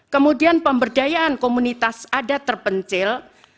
kemudian pemberdayaan komunitas adat terpencil